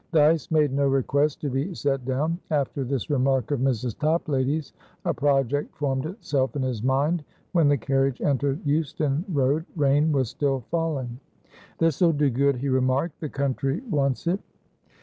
Dyce made no request to be set down. After this remark of Mrs. Toplady's, a project formed itself in his mind. When the carriage entered Euston Road, rain was still falling. "This'll do good," he remarked. "The country wants it."